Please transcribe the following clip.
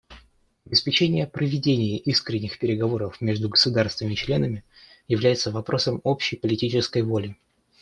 Обеспечение проведения искренних переговоров между государствами-членами является вопросом общей политической воли.